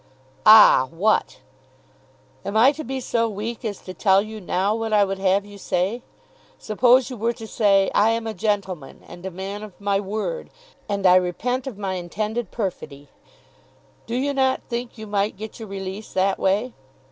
"Ah what! Am I to be so weak as to tell you now what I would have you say? Suppose you were to say, 'I am a gentleman, and a man of my word, and I repent me of my intended perfidy,' do you not think you might get your release that way?